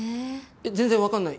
え全然分かんない。